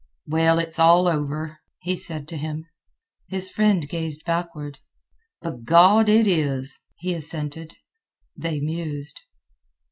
"Well, it's all over," he said to him. His friend gazed backward. "B'Gawd, it is," he assented. They mused.